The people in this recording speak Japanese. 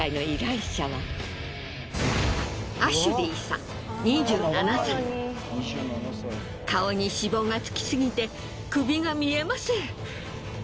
そして顔に脂肪がつきすぎて首が見えません。